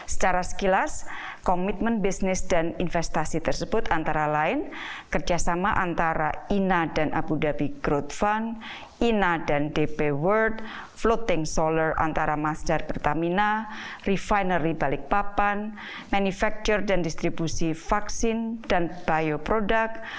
secara sekilas komitmen bisnis dan investasi tersebut antara lain kerja sama antara ina dan abu dhabi growth fund ina dan dp world floating solar antara masdar pertamina refinery balikpapan manufacture dan distribusi vaksin dan bioproduct